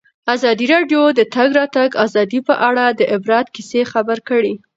ازادي راډیو د د تګ راتګ ازادي په اړه د عبرت کیسې خبر کړي.